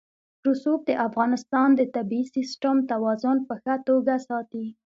رسوب د افغانستان د طبعي سیسټم توازن په ښه توګه ساتي.